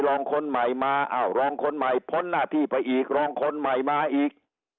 คนใหม่มาอ้าวรองคนใหม่พ้นหน้าที่ไปอีกรองคนใหม่มาอีก